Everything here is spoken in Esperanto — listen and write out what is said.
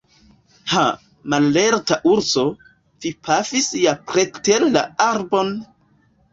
Ha, mallerta urso, vi pafis ja preter la arbon!